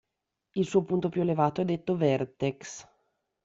Il suo punto più elevato è detto "Vertex".